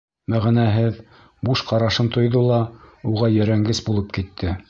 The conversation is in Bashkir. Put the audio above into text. Мәғәнәһеҙ, буш ҡарашын тойҙо ла, уға ерәнгес булып китте.